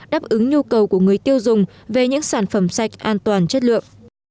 đáp ứng nhu cầu của người tiêu dùng về những sản phẩm sạch an toàn chất lượng